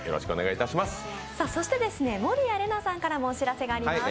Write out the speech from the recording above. そして守屋麗奈さんからもお知らせがあります。